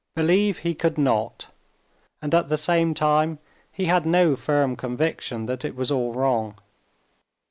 Believe he could not, and at the same time he had no firm conviction that it was all wrong.